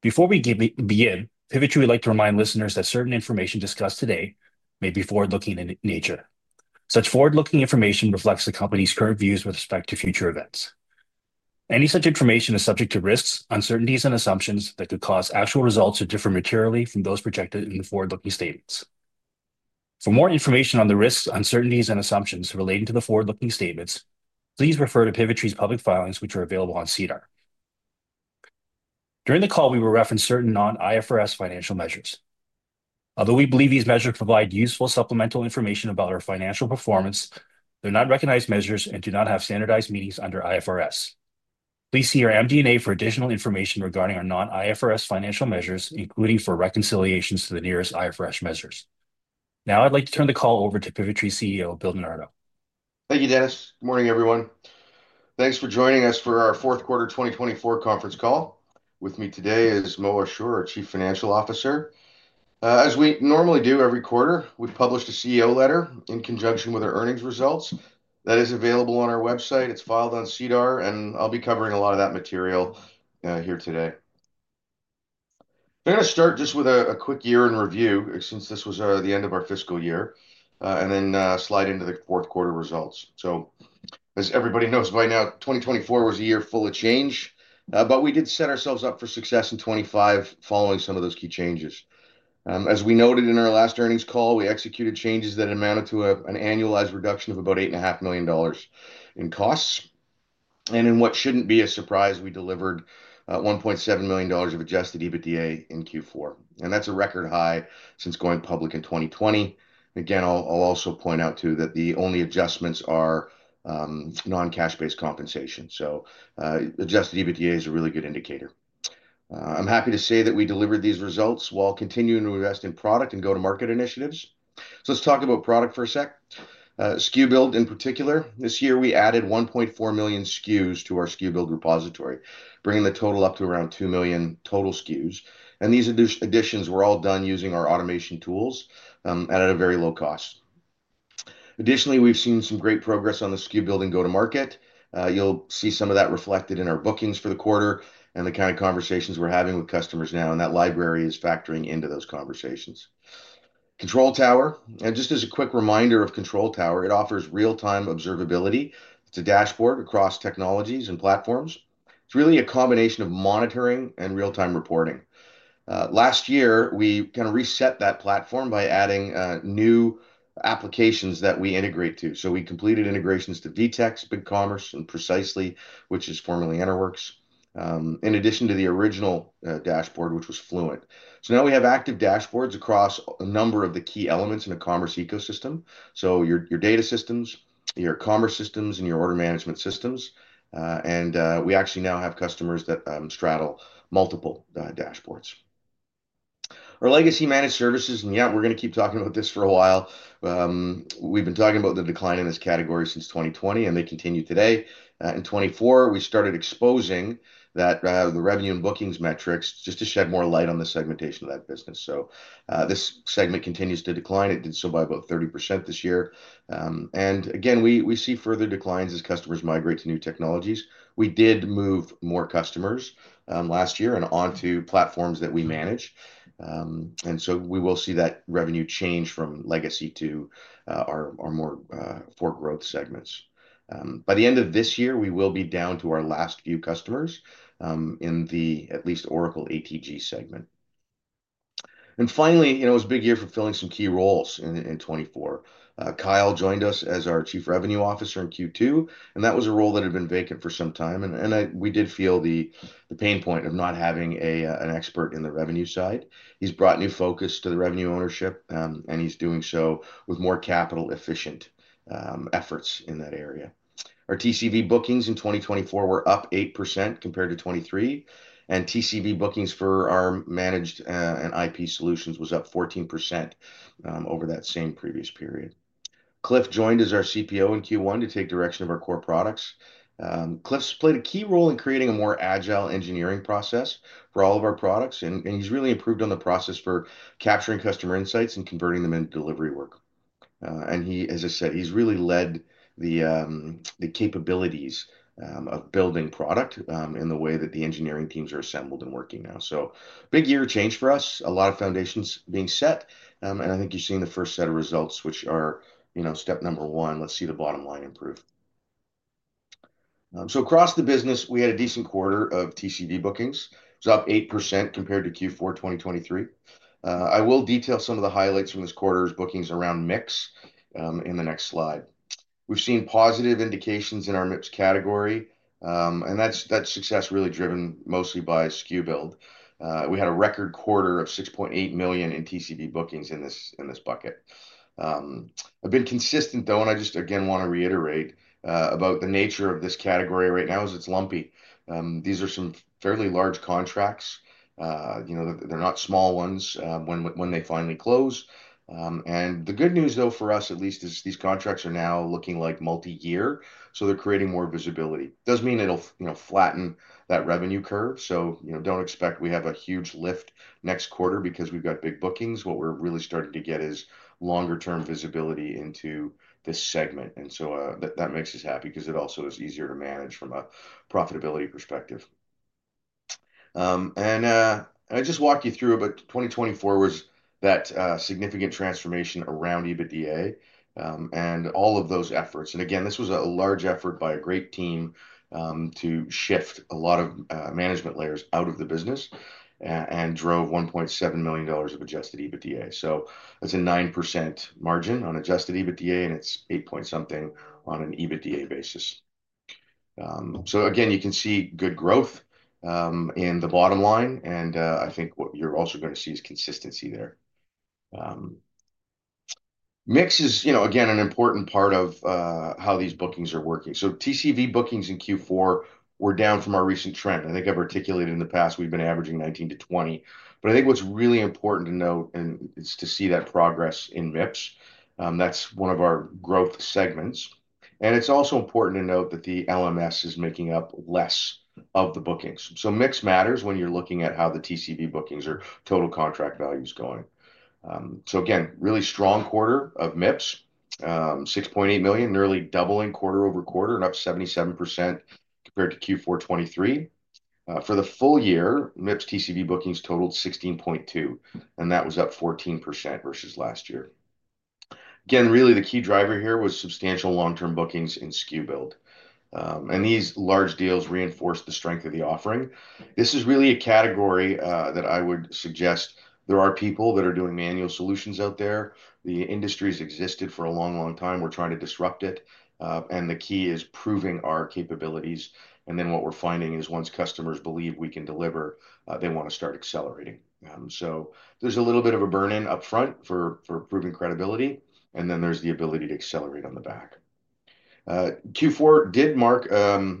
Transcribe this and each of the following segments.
Before we begin, Pivotree would like to remind listeners that certain information discussed today may be forward-looking in nature. Such forward-looking information reflects the company's current views with respect to future events. Any such information is subject to risks, uncertainties, and assumptions that could cause actual results to differ materially from those projected in the forward-looking statements. For more information on the risks, uncertainties, and assumptions relating to the forward-looking statements, please refer to Pivotree's public filings, which are available on SEDAR. During the call, we will reference certain non-IFRS financial measures. Although we believe these measures provide useful supplemental information about our financial performance, they're not recognized measures and do not have standardized meanings under IFRS. Please see our MD&A for additional information regarding our non-IFRS financial measures, including for reconciliations to the nearest IFRS measures. Now, I'd like to turn the call over to Pivotree CEO Bill Di Nardo. Thank you, Dennis. Good morning, everyone. Thanks for joining us for our fourth quarter 2024 conference call. With me today is Moataz Ashoor, our Chief Financial Officer. As we normally do every quarter, we publish a CEO letter in conjunction with our earnings results. That is available on our website. It's filed on SEDAR, and I'll be covering a lot of that material here today. I'm going to start just with a quick year-end review, since this was the end of our fiscal year, and then slide into the fourth quarter results. As everybody knows by now, 2024 was a year full of change, but we did set ourselves up for success in 2025 following some of those key changes. As we noted in our last earnings call, we executed changes that amounted to an annualized reduction of about 8.5 million dollars in costs. In what should not be a surprise, we delivered $1.7 million of adjusted EBITDA in Q4. That is a record high since going public in 2020. I will also point out that the only adjustments are non-cash-based compensation. Adjusted EBITDA is a really good indicator. I am happy to say that we delivered these results while continuing to invest in product and go-to-market initiatives. Let's talk about product for a sec. SKU Build, in particular. This year, we added 1.4 million SKUs to our SKU Build repository, bringing the total up to around 2 million total SKUs. These additions were all done using our automation tools at a very low cost. Additionally, we have seen some great progress on the SKU Build go-to-market. You'll see some of that reflected in our bookings for the quarter and the kind of conversations we're having with customers now, and that library is factoring into those conversations. Control Tower, and just as a quick reminder of Control Tower, it offers real-time observability. It's a dashboard across technologies and platforms. It's really a combination of monitoring and real-time reporting. Last year, we kind of reset that platform by adding new applications that we integrate to. We completed integrations to VTEX, BigCommerce, and Precisely, which is formerly EnterWorks, in addition to the original dashboard, which was Fluent. Now we have active dashboards across a number of the key elements in the commerce ecosystem. Your data systems, your commerce systems, and your order management systems. We actually now have customers that straddle multiple dashboards. Our legacy managed services, and yeah, we're going to keep talking about this for a while. We've been talking about the decline in this category since 2020, and they continue today. In 2024, we started exposing the revenue and bookings metrics just to shed more light on the segmentation of that business. This segment continues to decline. It did so by about 30% this year. Again, we see further declines as customers migrate to new technologies. We did move more customers last year and onto platforms that we manage. We will see that revenue change from legacy to our more for growth segments. By the end of this year, we will be down to our last few customers in the at least Oracle ATG segment. Finally, it was a big year fulfilling some key roles in 2024. Kyle joined us as our Chief Revenue Officer in Q2, and that was a role that had been vacant for some time. We did feel the pain point of not having an expert in the revenue side. He's brought new focus to the revenue ownership, and he's doing so with more capital-efficient efforts in that area. Our TCV bookings in 2024 were up 8% compared to 2023, and TCV bookings for our managed and IP solutions were up 14% over that same previous period. Cliff joined as our CPO in Q1 to take direction of our core products. Cliff's played a key role in creating a more agile engineering process for all of our products, and he's really improved on the process for capturing customer insights and converting them into delivery work. As I said, he's really led the capabilities of building product in the way that the engineering teams are assembled and working now. Big year change for us, a lot of foundations being set, and I think you've seen the first set of results, which are step number one. Let's see the bottom line improve. Across the business, we had a decent quarter of TCV bookings. It was up 8% compared to Q4 2023. I will detail some of the highlights from this quarter's bookings around MIPS in the next slide. We've seen positive indications in our MIPS category, and that success really driven mostly by SKU Build. We had a record quarter of 6.8 million in TCV bookings in this bucket. I've been consistent, though, and I just again want to reiterate about the nature of this category right now is it's lumpy. These are some fairly large contracts. They're not small ones when they finally close. The good news, though, for us at least, is these contracts are now looking like multi-year, so they're creating more visibility. It does mean it'll flatten that revenue curve. Do not expect we have a huge lift next quarter because we've got big bookings. What we're really starting to get is longer-term visibility into this segment. That makes us happy because it also is easier to manage from a profitability perspective. I just walked you through it, but 2024 was that significant transformation around EBITDA and all of those efforts. Again, this was a large effort by a great team to shift a lot of management layers out of the business and drove 1.7 million dollars of adjusted EBITDA. That's a 9% margin on adjusted EBITDA, and it's 8 point something on an EBITDA basis. You can see good growth in the bottom line, and I think what you're also going to see is consistency there. MIPS is, again, an important part of how these bookings are working. TCV bookings in Q4 were down from our recent trend. I think I've articulated in the past we've been averaging 19-20. I think what's really important to note is to see that progress in MIPS. That's one of our growth segments. It's also important to note that the LMS is making up less of the bookings. MIPS matters when you're looking at how the TCV bookings or total contract value is going. Again, really strong quarter of MIPS, 6.8 million, nearly doubling quarter over quarter, and up 77% compared to Q4 2023. For the full year, MIPS TCV bookings totaled 16.2 million, and that was up 14% versus last year. Again, really the key driver here was substantial long-term bookings in SKU Build. These large deals reinforced the strength of the offering. This is really a category that I would suggest there are people that are doing manual solutions out there. The industry has existed for a long, long time. We are trying to disrupt it. The key is proving our capabilities. What we are finding is once customers believe we can deliver, they want to start accelerating. There is a little bit of a burn-in upfront for proving credibility, and then there is the ability to accelerate on the back. Q4 did mark a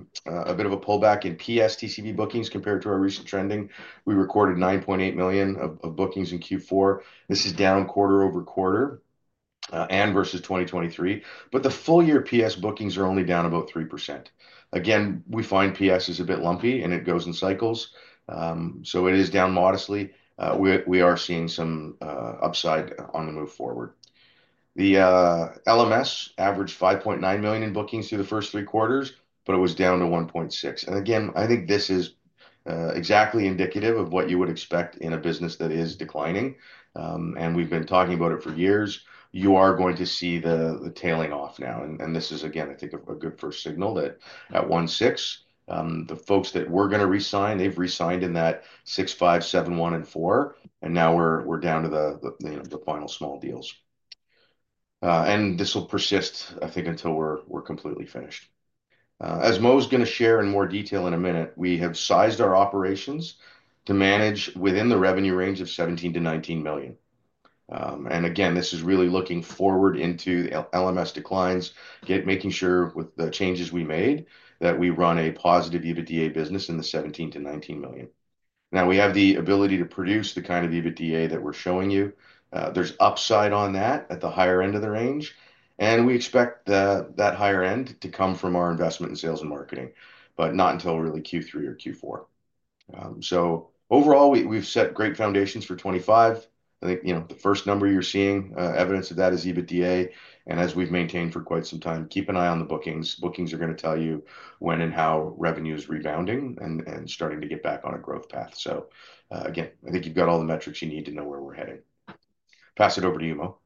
bit of a pullback in PS TCV bookings compared to our recent trending. We recorded 9.8 million of bookings in Q4. This is down quarter-over-quarter and versus 2023. The full-year PS bookings are only down about 3%. Again, we find PS is a bit lumpy, and it goes in cycles. It is down modestly. We are seeing some upside on the move forward. The LMS averaged 5.9 million in bookings through the first three quarters, but it was down to 1.6 million. I think this is exactly indicative of what you would expect in a business that is declining. We have been talking about it for years. You are going to see the tailing off now. This is, again, I think a good first signal that at 1.6, the folks that were going to resign, they've resigned in that 6, 5, 7, 1, and 4. Now we're down to the final small deals. This will persist, I think, until we're completely finished. As Mo is going to share in more detail in a minute, we have sized our operations to manage within the revenue range of 17 million-19 million. This is really looking forward into the LMS declines, making sure with the changes we made that we run a positive EBITDA business in the 17 million-19 million. We have the ability to produce the kind of EBITDA that we're showing you. There's upside on that at the higher end of the range. We expect that higher end to come from our investment in sales and marketing, but not until really Q3 or Q4. Overall, we have set great foundations for 2025. I think the first number you are seeing evidence of that is EBITDA. As we have maintained for quite some time, keep an eye on the bookings. Bookings are going to tell you when and how revenue is rebounding and starting to get back on a growth path. I think you have all the metrics you need to know where we are heading. Pass it over to you, Mo.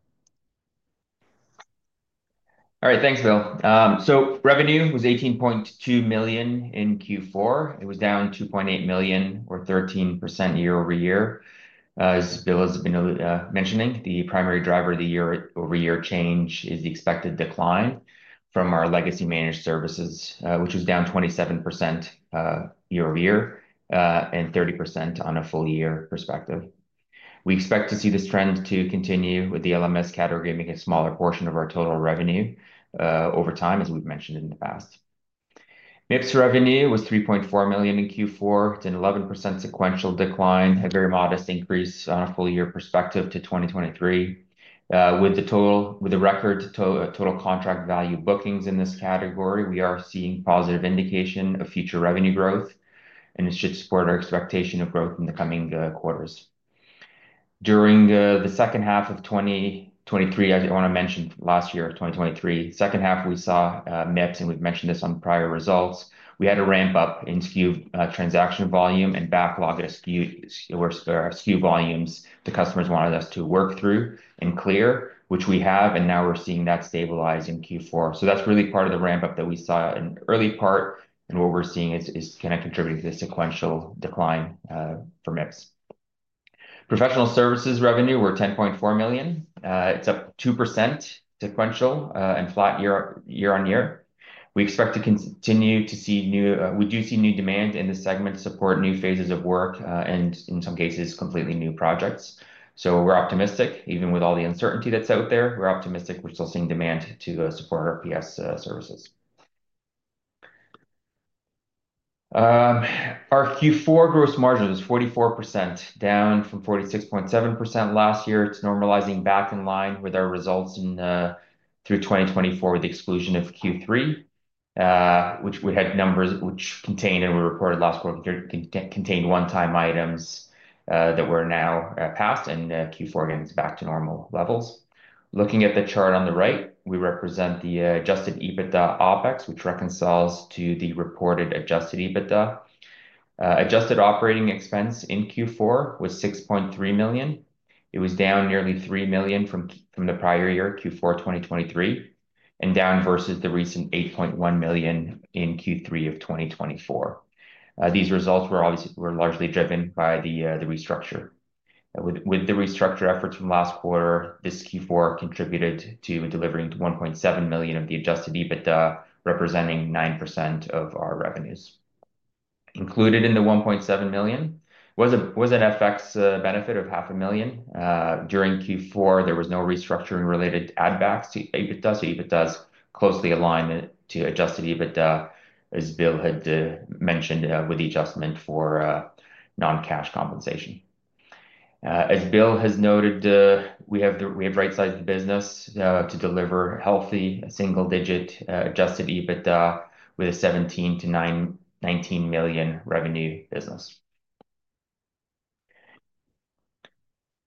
All right. Thanks, Bill. Revenue was 18.2 million in Q4. It was down 2.8 million, or 13% year-over-year. As Bill has been mentioning, the primary driver of the year-over-year change is the expected decline from our legacy managed services, which was down 27% year-over-year and 30% on a full-year perspective. We expect to see this trend continue with the LMS category making a smaller portion of our total revenue over time, as we've mentioned in the past. MIPS revenue was 3.4 million in Q4. It's an 11% sequential decline, a very modest increase on a full-year perspective to 2023. With the record total contract value bookings in this category, we are seeing positive indication of future revenue growth, and it should support our expectation of growth in the coming quarters. During the second half of 2023, as I want to mention last year, 2023, second half, we saw MIPS, and we've mentioned this on prior results. We had a ramp-up in SKU transaction volume and backlog SKU volumes the customers wanted us to work through and clear, which we have, and now we're seeing that stabilize in Q4. That is really part of the ramp-up that we saw in the early part, and what we're seeing is kind of contributing to the sequential decline for MIPS. Professional services revenue were 10.4 million. It's up 2% sequential and flat year-on-year. We expect to continue to see new—we do see new demand in the segment to support new phases of work and, in some cases, completely new projects. We are optimistic, even with all the uncertainty that's out there, we are optimistic we are still seeing demand to support our PS services. Our Q4 gross margin is 44%, down from 46.7% last year. It is normalizing back in line with our results through 2024, with the exclusion of Q3, which we had numbers which contained, and we reported last quarter, contained one-time items that were now passed, and Q4 again is back to normal levels. Looking at the chart on the right, we represent the adjusted EBITDA OpEx, which reconciles to the reported adjusted EBITDA. Adjusted operating expense in Q4 was 6.3 million. It was down nearly 3 million from the prior year, Q4 2023, and down versus the recent 8.1 million in Q3 of 2024. These results were largely driven by the restructure. With the restructure efforts from last quarter, this Q4 contributed to delivering 1.7 million of the adjusted EBITDA, representing 9% of our revenues. Included in the 1.7 million was an FX benefit of 500,000. During Q4, there was no restructuring-related add-backs to EBITDA, so EBITDA is closely aligned to adjusted EBITDA, as Bill had mentioned, with the adjustment for non-cash compensation. As Bill has noted, we have right-sized the business to deliver healthy single-digit adjusted EBITDA with a 17 million-19 million revenue business.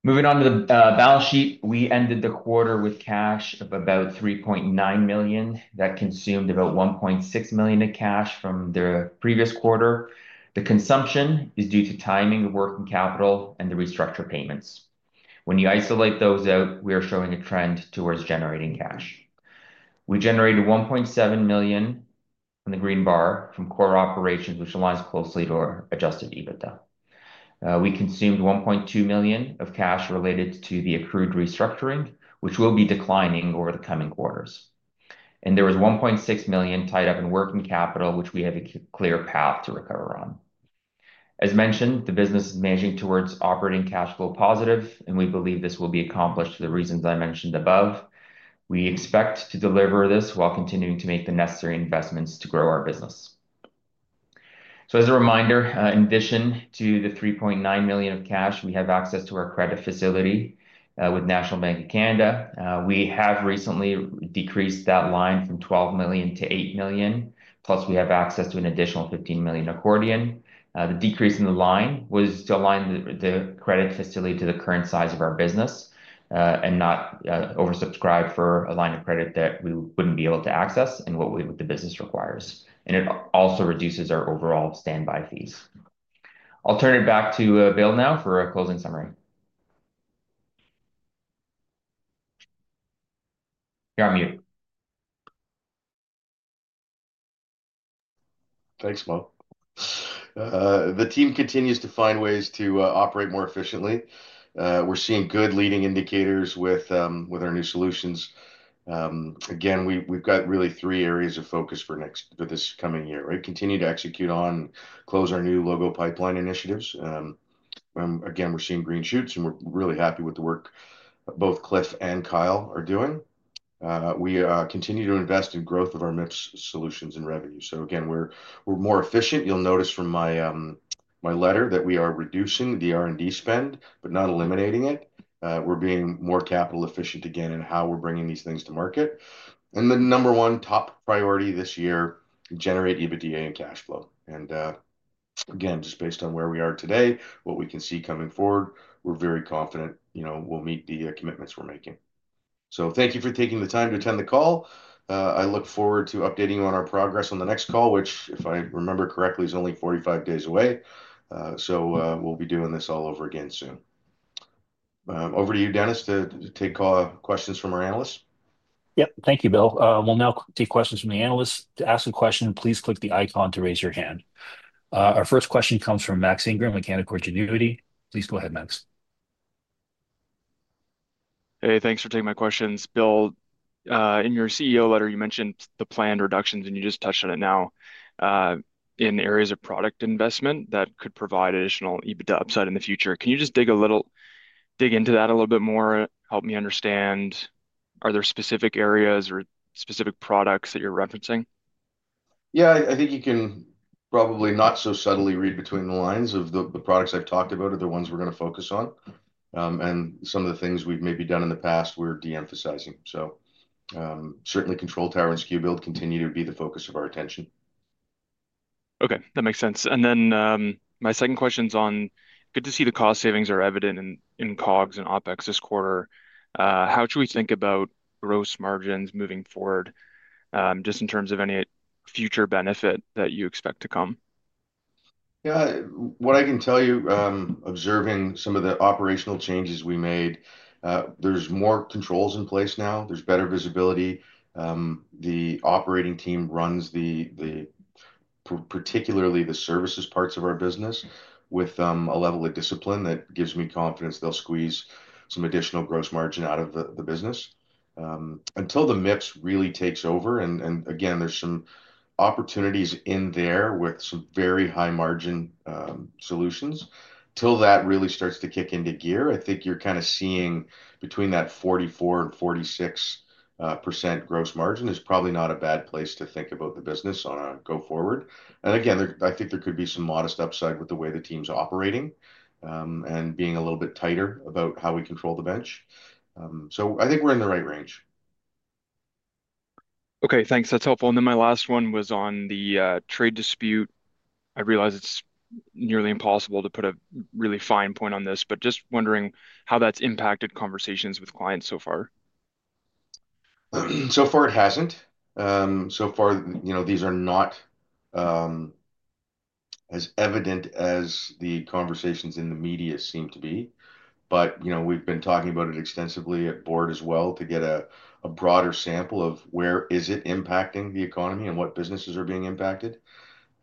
Moving on to the balance sheet, we ended the quarter with cash of about 3.9 million. That consumed about 1.6 million of cash from the previous quarter. The consumption is due to timing of working capital and the restructure payments. When you isolate those out, we are showing a trend towards generating cash. We generated 1.7 million in the green bar from core operations, which aligns closely to our adjusted EBITDA. We consumed 1.2 million of cash related to the accrued restructuring, which will be declining over the coming quarters. There was 1.6 million tied up in working capital, which we have a clear path to recover on. As mentioned, the business is managing towards operating cash flow positive, and we believe this will be accomplished for the reasons I mentioned above. We expect to deliver this while continuing to make the necessary investments to grow our business. As a reminder, in addition to the 3.9 million of cash, we have access to our credit facility with National Bank of Canada. We have recently decreased that line from 12 million-8 million, plus we have access to an additional 15 million accordion. The decrease in the line was to align the credit facility to the current size of our business and not oversubscribe for a line of credit that we would not be able to access and what the business requires. It also reduces our overall standby fees. I'll turn it back to Bill now for a closing summary. You're on mute. Thanks, Mo. The team continues to find ways to operate more efficiently. We're seeing good leading indicators with our new solutions. Again, we've got really three areas of focus for this coming year. We continue to execute on and close our new logo pipeline initiatives. Again, we're seeing green shoots, and we're really happy with the work both Cliff and Kyle are doing. We continue to invest in growth of our MIPS solutions and revenue. We're more efficient. You'll notice from my letter that we are reducing the R&D spend, but not eliminating it. We're being more capital efficient again in how we're bringing these things to market. The number one top priority this year is to generate EBITDA and cash flow. Again, just based on where we are today, what we can see coming forward, we're very confident we'll meet the commitments we're making. Thank you for taking the time to attend the call. I look forward to updating you on our progress on the next call, which, if I remember correctly, is only 45 days away. We'll be doing this all over again soon. Over to you, Dennis, to take questions from our analysts. Yeah. Thank you, Bill. We'll now take questions from the analysts. To ask a question, please click the icon to raise your hand. Our first question comes from Max Ingram at Canaccord Genuity. Please go ahead, Max. Hey, thanks for taking my questions. Bill, in your CEO letter, you mentioned the planned reductions, and you just touched on it now in areas of product investment that could provide additional EBITDA upside in the future. Can you just dig into that a little bit more? Help me understand. Are there specific areas or specific products that you're referencing? Yeah, I think you can probably not so subtly read between the lines of the products I've talked about are the ones we're going to focus on. Some of the things we've maybe done in the past, we're de-emphasizing. Certainly, Control Tower and SKU Build continue to be the focus of our attention. Okay. That makes sense. My second question's on, good to see the cost savings are evident in COGS and OpEx this quarter. How should we think about gross margins moving forward, just in terms of any future benefit that you expect to come? Yeah. What I can tell you, observing some of the operational changes we made, there's more controls in place now. There's better visibility. The operating team runs particularly the services parts of our business with a level of discipline that gives me confidence they'll squeeze some additional gross margin out of the business until the MIPS really takes over. Again, there's some opportunities in there with some very high-margin solutions. Until that really starts to kick into gear, I think you're kind of seeing between that 44%-46% gross margin is probably not a bad place to think about the business on a go-forward. Again, I think there could be some modest upside with the way the team's operating and being a little bit tighter about how we control the bench. I think we're in the right range. Okay. Thanks. That's helpful. My last one was on the trade dispute. I realize it's nearly impossible to put a really fine point on this, but just wondering how that's impacted conversations with clients so far. So far, it hasn't. So far, these are not as evident as the conversations in the media seem to be. We have been talking about it extensively at board as well to get a broader sample of where is it impacting the economy and what businesses are being impacted.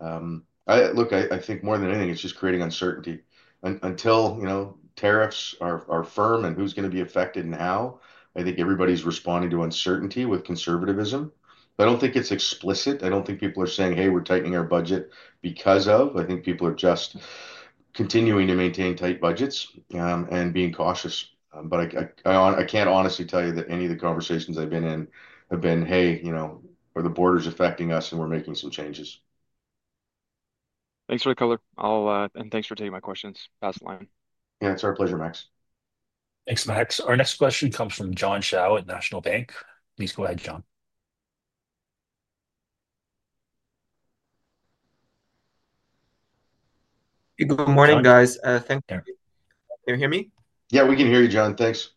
Look, I think more than anything, it's just creating uncertainty. Until tariffs are firm and who's going to be affected and how, I think everybody's responding to uncertainty with conservatism. I don't think it's explicit. I don't think people are saying, "Hey, we're tightening our budget because of." I think people are just continuing to maintain tight budgets and being cautious. I can't honestly tell you that any of the conversations I've been in have been, "Hey, are the borders affecting us and we're making some changes? Thanks for the color. Thanks for taking my questions. Pass the line. Yeah. It's our pleasure, Max. Thanks, Max. Our next question comes from John Shao at National Bank. Please go ahead, John. Good morning, guys. Thank you. Can you hear me? Yeah, we can hear you, John. Thanks.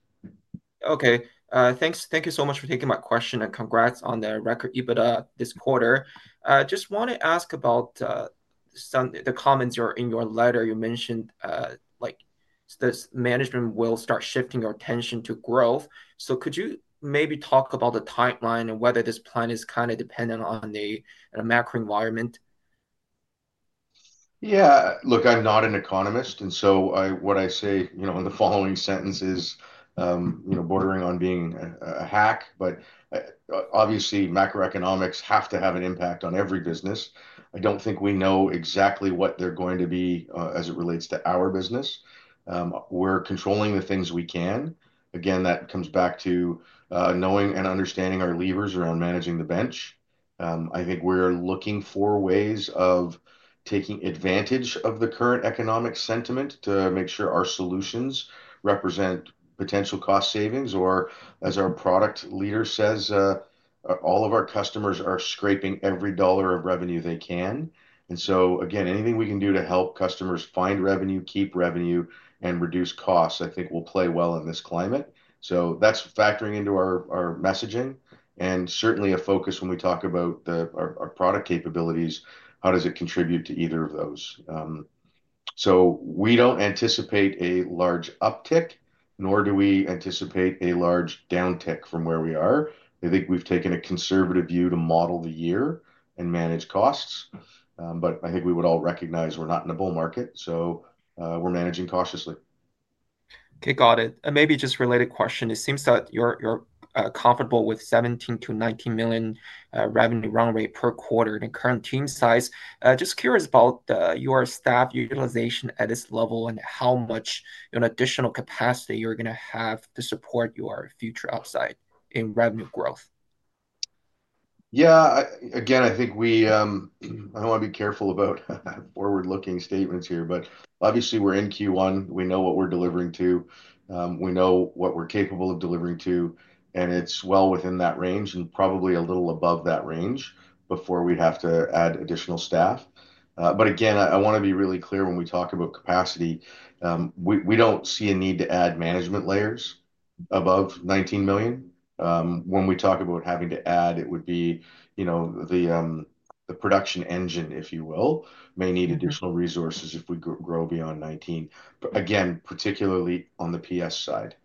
Okay. Thank you so much for taking my question, and congrats on the record EBITDA this quarter. Just want to ask about the comments in your letter. You mentioned this management will start shifting your attention to growth. Could you maybe talk about the timeline and whether this plan is kind of dependent on the macro environment? Yeah. Look, I'm not an economist, and so what I say in the following sentence is bordering on being a hack. Obviously, macroeconomics have to have an impact on every business. I don't think we know exactly what they're going to be as it relates to our business. We're controlling the things we can. Again, that comes back to knowing and understanding our levers around managing the bench. I think we're looking for ways of taking advantage of the current economic sentiment to make sure our solutions represent potential cost savings. As our product leader says, all of our customers are scraping every dollar of revenue they can. Again, anything we can do to help customers find revenue, keep revenue, and reduce costs, I think will play well in this climate. That's factoring into our messaging. Certainly, a focus when we talk about our product capabilities, how does it contribute to either of those? We do not anticipate a large uptick, nor do we anticipate a large downtick from where we are. I think we have taken a conservative view to model the year and manage costs. I think we would all recognize we are not in a bull market, so we are managing cautiously. Okay. Got it. Maybe just related question. It seems that you're comfortable with 17 million-19 million revenue run-rate per quarter in the current team size. Just curious about your staff utilization at this level and how much additional capacity you're going to have to support your future upside in revenue growth. Yeah. Again, I think we—I do not want to be careful about forward-looking statements here, but obviously, we are in Q1. We know what we are delivering to. We know what we are capable of delivering to. It is well within that range and probably a little above that range before we would have to add additional staff. Again, I want to be really clear when we talk about capacity. We do not see a need to add management layers above $19 million. When we talk about having to add, it would be the production engine, if you will, may need additional resources if we grow beyond $19 million. Again, particularly on the PS side.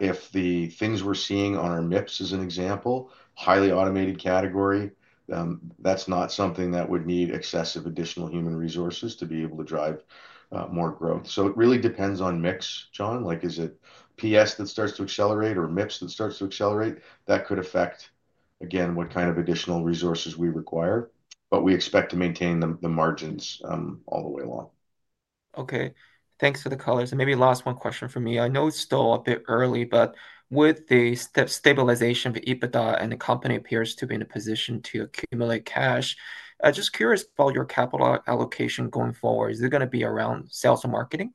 If the things we are seeing on our MIPS, as an example, highly automated category, that is not something that would need excessive additional human resources to be able to drive more growth. It really depends on mix, John. Is it PS that starts to accelerate or MIPS that starts to accelerate? That could affect, again, what kind of additional resources we require. We expect to maintain the margins all the way along. Okay. Thanks for the color. Maybe last one question for me. I know it's still a bit early, but with the stabilization of EBITDA, and the company appears to be in a position to accumulate cash, I'm just curious about your capital allocation going forward. Is it going to be around sales and marketing?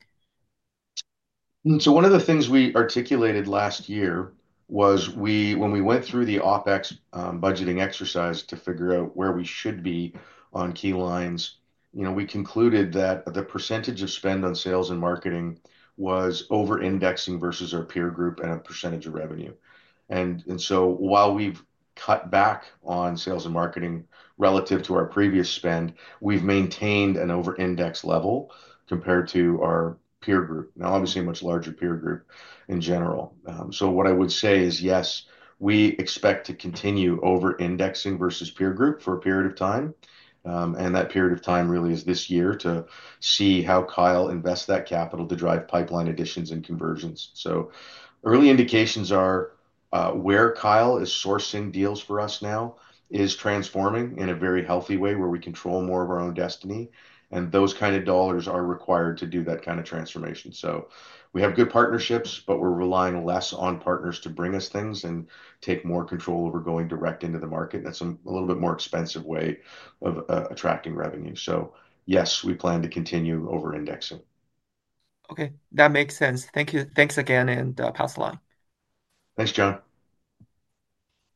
One of the things we articulated last year was when we went through the OpEx budgeting exercise to figure out where we should be on key lines, we concluded that the percentage of spend on sales and marketing was over-indexing versus our peer group and a percentage of revenue. While we've cut back on sales and marketing relative to our previous spend, we've maintained an over-index level compared to our peer group, and obviously, a much larger peer group in general. What I would say is, yes, we expect to continue over-indexing versus peer group for a period of time. That period of time really is this year to see how Kyle invests that capital to drive pipeline additions and conversions. Early indications are where Kyle is sourcing deals for us now is transforming in a very healthy way where we control more of our own destiny. Those kind of dollars are required to do that kind of transformation. We have good partnerships, but we're relying less on partners to bring us things and take more control over going direct into the market. That's a little bit more expensive way of attracting revenue. Yes, we plan to continue over-indexing. Okay. That makes sense. Thank you. Thanks again, and pass the line. Thanks, John.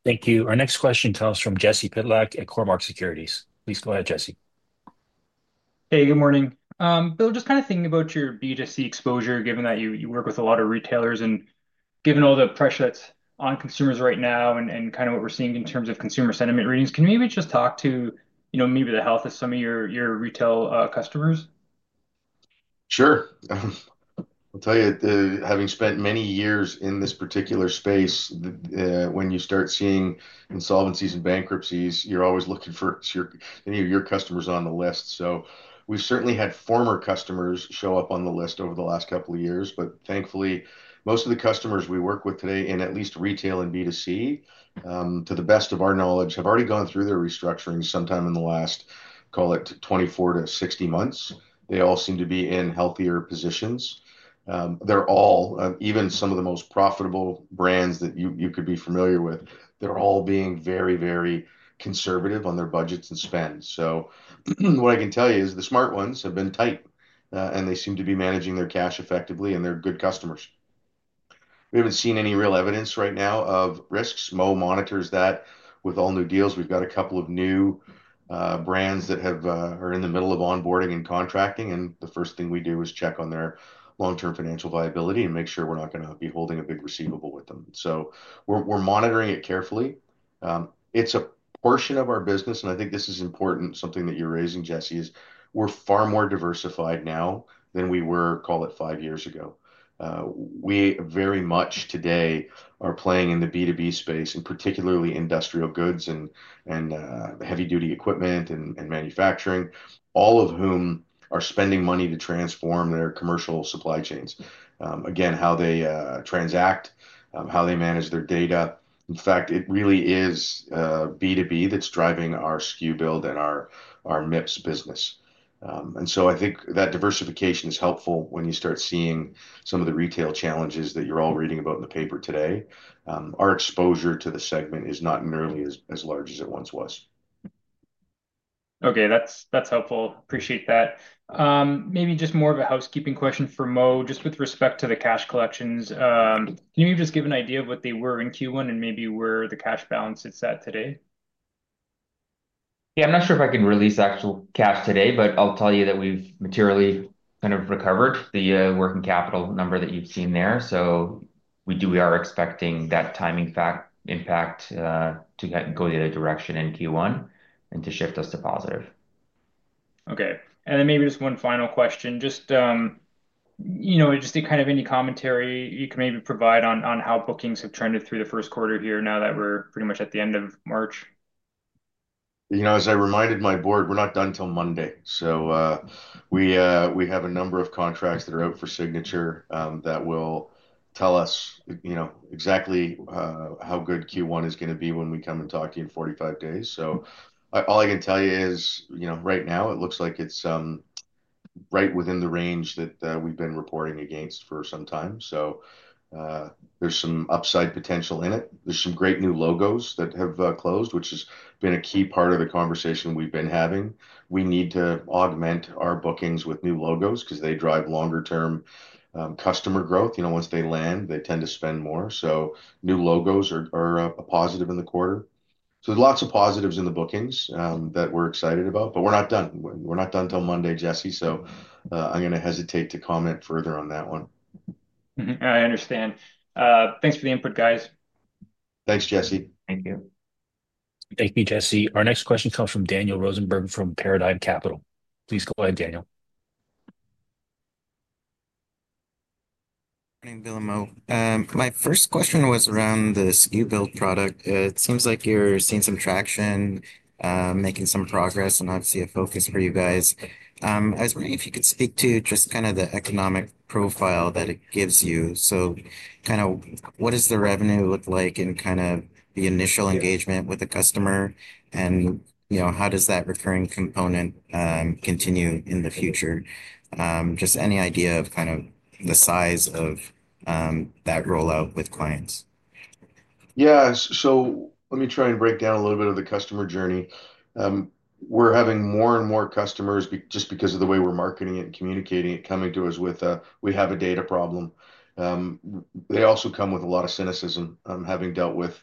Thank you. Our next question comes from Jesse Pytlak at Cormark Securities. Please go ahead, Jesse. Hey, good morning. Bill, just kind of thinking about your B2C exposure, given that you work with a lot of retailers and given all the pressure that's on consumers right now and kind of what we're seeing in terms of consumer sentiment readings, can you maybe just talk to maybe the health of some of your retail customers? Sure. I'll tell you, having spent many years in this particular space, when you start seeing insolvencies and bankruptcies, you're always looking for any of your customers on the list. We've certainly had former customers show up on the list over the last couple of years. Thankfully, most of the customers we work with today in at least retail and B2C, to the best of our knowledge, have already gone through their restructuring sometime in the last, call it, 24 months-60 months. They all seem to be in healthier positions. They're all, even some of the most profitable brands that you could be familiar with, they're all being very, very conservative on their budgets and spend. What I can tell you is the smart ones have been tight, and they seem to be managing their cash effectively, and they're good customers. We haven't seen any real evidence right now of risks. Mo monitors that with all new deals. We've got a couple of new brands that are in the middle of onboarding and contracting. The first thing we do is check on their long-term financial viability and make sure we're not going to be holding a big receivable with them. We are monitoring it carefully. It's a portion of our business, and I think this is important, something that you're raising, Jesse, is we are far more diversified now than we were, call it, five years ago. We very much today are playing in the B2B space, and particularly industrial goods and heavy-duty equipment and manufacturing, all of whom are spending money to transform their commercial supply chains. Again, how they transact, how they manage their data. In fact, it really is B2B that's driving our SKU Build and our MIPS business. I think that diversification is helpful when you start seeing some of the retail challenges that you're all reading about in the paper today. Our exposure to the segment is not nearly as large as it once was. Okay. That's helpful. Appreciate that. Maybe just more of a housekeeping question for Mo, just with respect to the cash collections. Can you maybe just give an idea of what they were in Q1 and maybe where the cash balance is at today? Yeah. I'm not sure if I can release actual cash today, but I'll tell you that we've materially kind of recovered the working capital number that you've seen there. We are expecting that timing impact to go the other direction in Q1 and to shift us to positive. Okay. Maybe just one final question. Just kind of any commentary you can maybe provide on how bookings have trended through the first quarter here now that we're pretty much at the end of March? As I reminded my board, we're not done until Monday. We have a number of contracts that are out for signature that will tell us exactly how good Q1 is going to be when we come and talk to you in 45 days. All I can tell you is right now, it looks like it's right within the range that we've been reporting against for some time. There is some upside potential in it. There are some great new logos that have closed, which has been a key part of the conversation we've been having. We need to augment our bookings with new logos because they drive longer-term customer growth. Once they land, they tend to spend more. New logos are a positive in the quarter. There are lots of positives in the bookings that we're excited about. We're not done. We're not done until Monday, Jesse. I'm going to hesitate to comment further on that one. I understand. Thanks for the input, guys. Thanks, Jesse. Thank you. Thank you, Jesse. Our next question comes from Daniel Rosenberg from Paradigm Capital. Please go ahead, Daniel. Good morning, Bill and Mo. My first question was around the SKU Build product. It seems like you're seeing some traction, making some progress, and obviously a focus for you guys. I was wondering if you could speak to just kind of the economic profile that it gives you. Kind of what does the revenue look like in kind of the initial engagement with the customer, and how does that recurring component continue in the future? Just any idea of kind of the size of that rollout with clients? Yeah. Let me try and break down a little bit of the customer journey. We're having more and more customers, just because of the way we're marketing it and communicating it, coming to us with, "We have a data problem." They also come with a lot of cynicism, having dealt with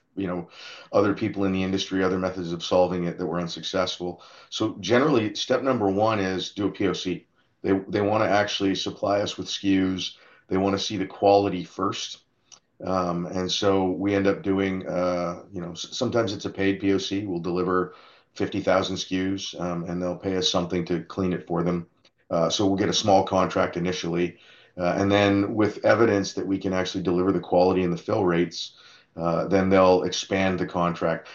other people in the industry, other methods of solving it that were unsuccessful. Generally, step number one is do a POC. They want to actually supply us with SKUs. They want to see the quality first. We end up doing, sometimes it's a paid POC. We'll deliver 50,000 SKUs, and they'll pay us something to clean it for them. We'll get a small contract initially. With evidence that we can actually deliver the quality and the fill rates, they'll expand the contract.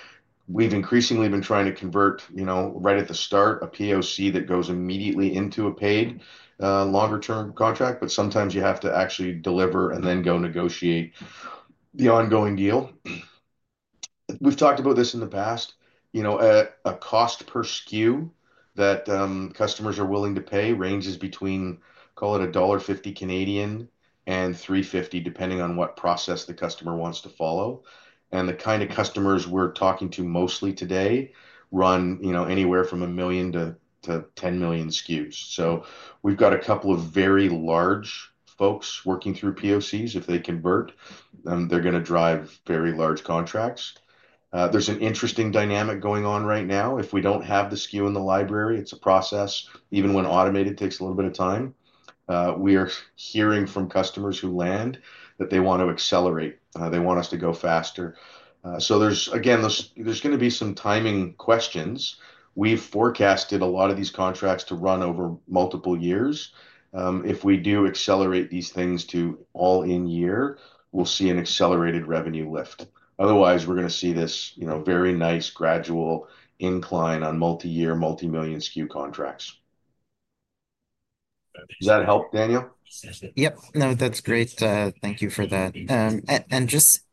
We've increasingly been trying to convert right at the start a POC that goes immediately into a paid longer-term contract. Sometimes you have to actually deliver and then go negotiate the ongoing deal. We've talked about this in the past. A cost per SKU that customers are willing to pay ranges between, call it, dollar 1.50 and 3.50, depending on what process the customer wants to follow. The kind of customers we're talking to mostly today run anywhere from 1 million-10 million SKUs. We've got a couple of very large folks working through POCs. If they convert, they're going to drive very large contracts. There's an interesting dynamic going on right now. If we don't have the SKU in the library, it's a process. Even when automated, it takes a little bit of time. We are hearing from customers who land that they want to accelerate. They want us to go faster. Again, there's going to be some timing questions. We've forecasted a lot of these contracts to run over multiple years. If we do accelerate these things to all in year, we'll see an accelerated revenue lift. Otherwise, we're going to see this very nice gradual incline on multi-year, multi-million SKU contracts. Does that help, Daniel? Yeah. No, that's great. Thank you for that.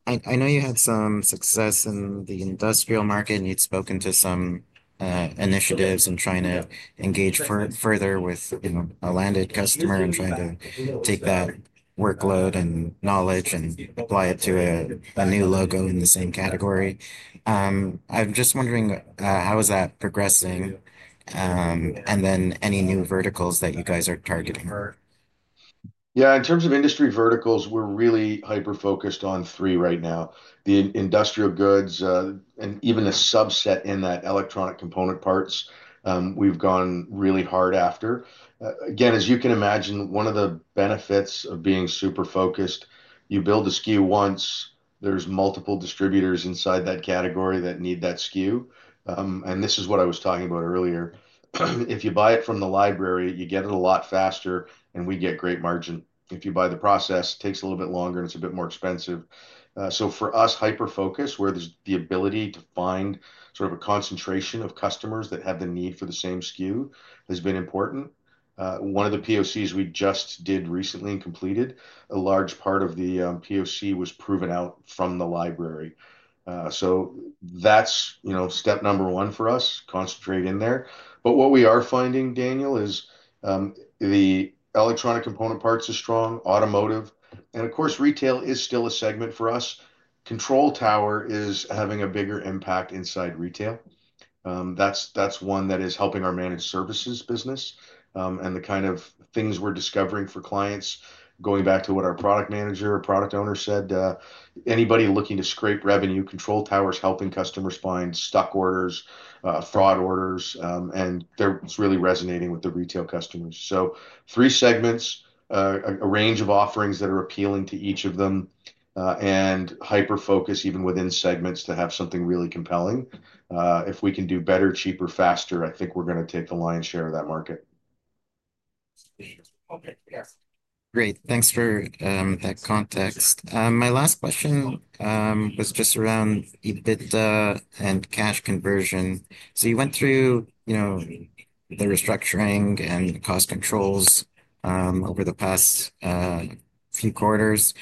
I know you had some success in the industrial market, and you'd spoken to some initiatives in trying to engage further with a landed customer and trying to take that workload and knowledge and apply it to a new logo in the same category. I'm just wondering, how is that progressing? Any new verticals that you guys are targeting? Yeah. In terms of industry verticals, we're really hyper-focused on three right now. The industrial goods and even a subset in that, electronic component parts, we've gone really hard after. Again, as you can imagine, one of the benefits of being super focused, you build a SKU once, there's multiple distributors inside that category that need that SKU. This is what I was talking about earlier. If you buy it from the library, you get it a lot faster, and we get great margin. If you buy the process, it takes a little bit longer, and it's a bit more expensive. For us, hyper-focus, where there's the ability to find sort of a concentration of customers that have the need for the same SKU, has been important. One of the POCs we just did recently and completed, a large part of the POC was proven out from the library. That is step number one for us, concentrate in there. What we are finding, Daniel, is the electronic component parts are strong, automotive. Of course, retail is still a segment for us. Control Tower is having a bigger impact inside retail. That is one that is helping our managed services business. The kind of things we are discovering for clients, going back to what our product manager or product owner said, anybody looking to scrape revenue, Control Tower is helping customers find stuck orders, fraud orders, and they are really resonating with the retail customers. Three segments, a range of offerings that are appealing to each of them, and hyper-focus even within segments to have something really compelling. If we can do better, cheaper, faster, I think we're going to take the lion's share of that market. Great. Thanks for that context. My last question was just around EBITDA and cash conversion. You went through the restructuring and cost controls over the past few quarters.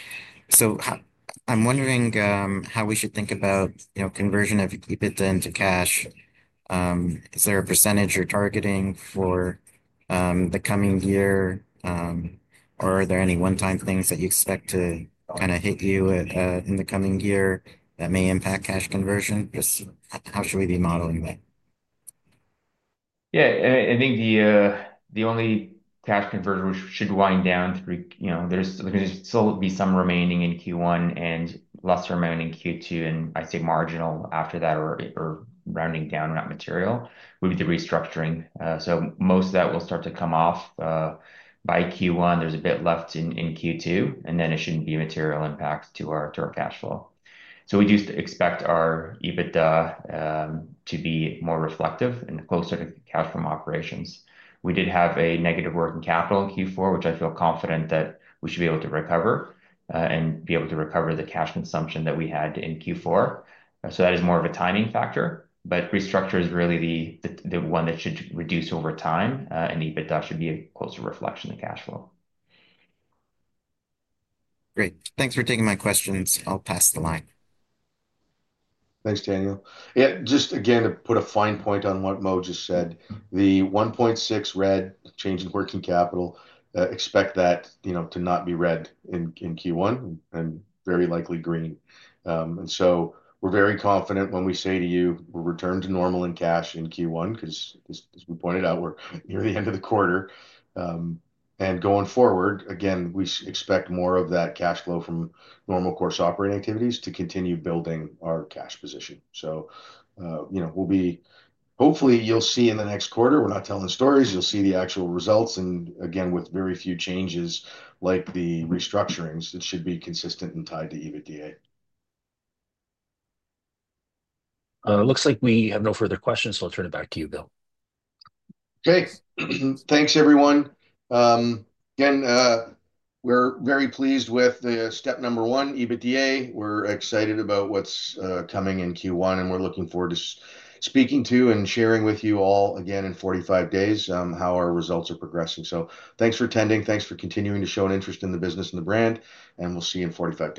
I am wondering how we should think about conversion of EBITDA into cash. Is there a percentage you are targeting for the coming year, or are there any one-time things that you expect to kind of hit you in the coming year that may impact cash conversion? Just how should we be modeling that? Yeah. I think the only cash conversion we should wind down through, there will still be some remaining in Q1 and less remaining in Q2, and I'd say marginal after that, or rounding down that material would be the restructuring. Most of that will start to come off by Q1. There's a bit left in Q2, and then it should not be a material impact to our cash flow. We do expect our EBITDA to be more reflective and closer to cash from operations. We did have a negative working capital in Q4, which I feel confident that we should be able to recover and be able to recover the cash consumption that we had in Q4. That is more of a timing factor. Restructure is really the one that should reduce over time, and EBITDA should be a closer reflection of cash flow. Great. Thanks for taking my questions. I'll pass the line. Thanks, Daniel. Yeah. Just again, to put a fine point on what Mo just said, the 1.6 million red changing working capital, expect that to not be red in Q1 and very likely green. We are very confident when we say to you, "We'll return to normal in cash in Q1," because as we pointed out, we're near the end of the quarter. Going forward, again, we expect more of that cash flow from normal course operating activities to continue building our cash position. Hopefully, you'll see in the next quarter, we're not telling stories, you'll see the actual results. Again, with very few changes like the restructurings, it should be consistent and tied to EBITDA. Looks like we have no further questions, so I'll turn it back to you, Bill. Great. Thanks, everyone. Again, we're very pleased with step number one, EBITDA. We're excited about what's coming in Q1, and we're looking forward to speaking to and sharing with you all again in 45 days how our results are progressing. Thanks for attending. Thanks for continuing to show an interest in the business and the brand, and we'll see you in 45.